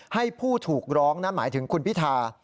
ให้ผู้ถูกร้องนะหมายถึงคุณพิธา